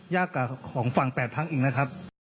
ยากกว่าของฝั่ง๘พักอีกนะครับ